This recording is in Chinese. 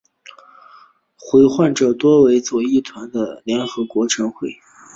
罹难者多为左翼团体全国甘蔗农联合会的成员。